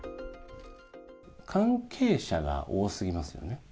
関係者が多すぎますよね。